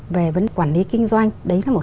về vấn quản lý kinh doanh đấy là một